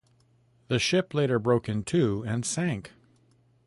The ship later broke in two and sank.